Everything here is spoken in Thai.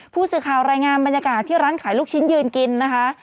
ผู้สื่อข่าวรายงานบรรยากาศที่ร้านขายลูกชิ้นยืนกินนะคะ